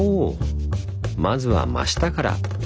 まずは真下から。